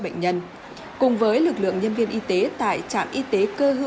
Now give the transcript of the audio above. bệnh nhân cùng với lực lượng nhân viên y tế tại trạm y tế cơ hữu